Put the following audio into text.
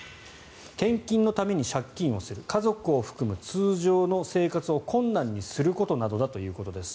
献金のために借金をする家族を含む通常の社会生活を困難にすることなどだということです。